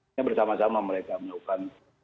ini bersama sama mereka melakukan